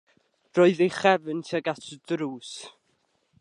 Roedd ei chefn tuag at y drws.